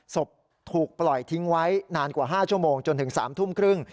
ศพถูกปล่อยทิ้งไว้นานกว่า๕ชั่วโมงจนถึง๓ทุ่มครึ่ง